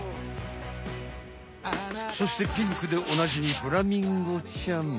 そしてピンクでおなじみフラミンゴちゃん。